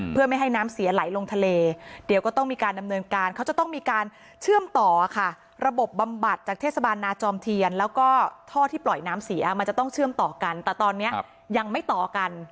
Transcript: เพื่อไม่ให้น้ำเสียไหลลงทะเลเดี๋ยวก็ต้องมีการดำเนินการเขาจะต้องมีการเชื่อมต่อค่ะระบบบำบัดจากเทศบาลนาจอมเทียนแล้วก็ท่อที่ปล่อยน้ำเสียมันจะต้องเชื่อมต่อกันแต่ตอนนี้ยังไม่ต่อกัน